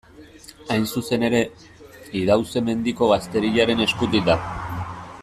Hain zuzen ere, Idauze-Mendiko gazteriaren eskutik da.